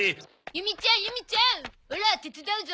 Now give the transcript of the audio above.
ユミちゃんユミちゃんオラ手伝うゾ。